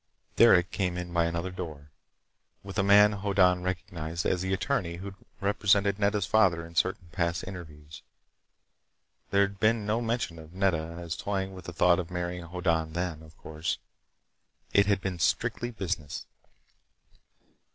Derec came in by another door, with a man Hoddan recognized as the attorney who'd represented Nedda's father in certain past interviews. There'd been no mention of Nedda as toying with the thought of marrying Hoddan then, of course. It had been strictly business.